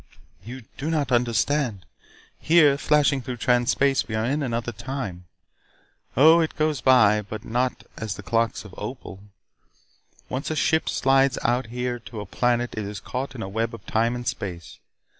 "You do not understand. Here, flashing through Trans Space, we are in another time. Oh, it goes by. But not as the clocks of Opal. Once a ship slides out of here to a planet it is caught in a web of time and space.